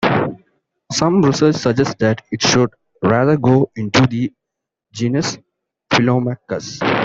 Some research suggests that it should rather go into the genus "Philomachus".